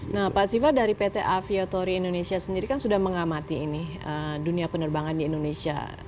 nah pak siva dari pt aviatory indonesia sendiri kan sudah mengamati ini dunia penerbangan di indonesia